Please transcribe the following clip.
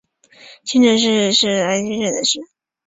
新城市是爱知县东部东三河地区的市。